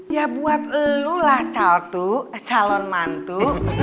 ya buat elu lah calon mantu